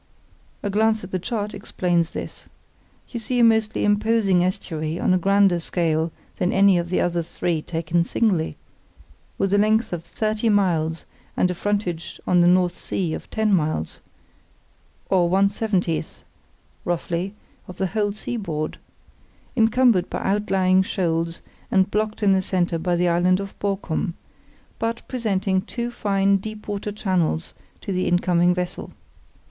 A glance at the chart explains this. You see a most imposing estuary on a grander scale than any of the other three taken singly, with a length of thirty miles and a frontage on the North Sea of ten miles, or one seventieth, roughly, of the whole seaboard; encumbered by outlying shoals, and blocked in the centre by the island of Borkum, but presenting two fine deep water channels to the incoming vessel.